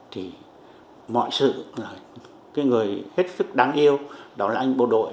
thì mọi sự cái người hết sức đáng yêu đó là anh bộ đội